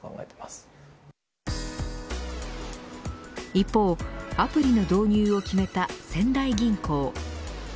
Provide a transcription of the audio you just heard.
一方、アプリの導入を決めた仙台銀行。